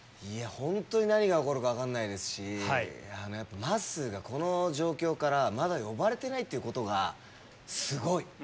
いやホントに何が起こるか分かんないですしやっぱまっすーがこの状況からまだ呼ばれてないっていうことがすごい！